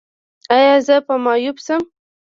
ایا زه به معیوب شم؟